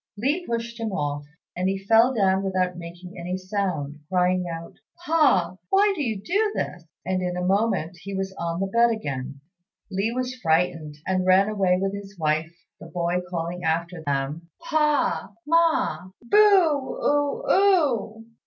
Li pushed him off, and he fell down without making any sound, crying out, "Pa! why do you do this?" and in a moment he was on the bed again. Li was frightened, and ran away with his wife, the boy calling after them, "Pa! Ma! boo oo oo."